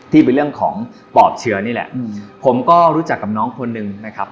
ที่เป็นเรื่องของปอบเชื้อนี่แหละผมก็รู้จักกับน้องคนหนึ่งนะครับ